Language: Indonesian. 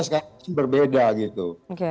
sekarang berbeda gitu